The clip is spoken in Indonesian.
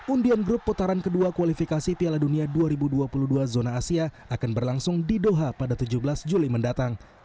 undian grup putaran kedua kualifikasi piala dunia dua ribu dua puluh dua zona asia akan berlangsung di doha pada tujuh belas juli mendatang